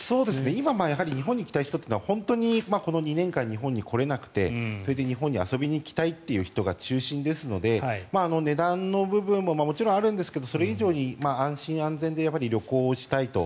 今、やはり日本に来たい人は本当にこの２年間日本に来れなくてそれで日本に遊びに来たいという人が中心ですので値段の部分ももちろんあるんですがそれ以上に安心安全でやはり旅行したいと。